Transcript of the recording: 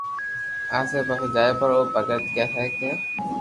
لي پسي جائي پرو او ڀگت ڪي ڪي ھي